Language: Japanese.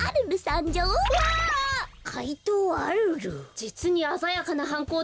じつにあざやかなはんこうでした。